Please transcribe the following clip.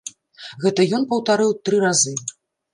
Гэта ён паўтарыў тры разы.